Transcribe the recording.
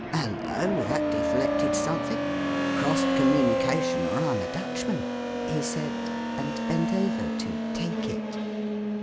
"Hullo! that deflected something crossed communication or I'm a Dutchman!" he said, and bent over to "take it."